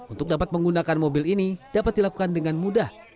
untuk dapat menggunakan mobil ini dapat dilakukan dengan mudah